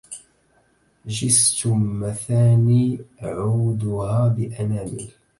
جست مثاني عودها بأنامل